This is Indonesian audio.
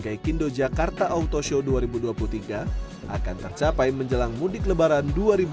gaikindo jakarta auto show dua ribu dua puluh tiga akan tercapai menjelang mudik lebaran dua ribu dua puluh